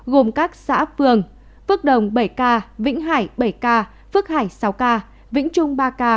gồm các xã phường phước đồng bảy k vĩnh hải bảy k phước hải sáu k vĩnh trung ba k